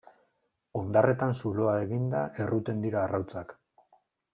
Hondarretan zuloa eginda erruten ditu arrautzak.